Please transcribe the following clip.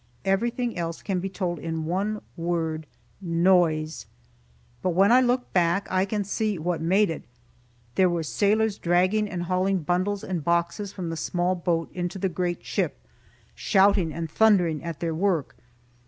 Everything else can be told in one word noise. But when I look back, I can see what made it. There were sailors dragging and hauling bundles and boxes from the small boat into the great ship, shouting and thundering at their work.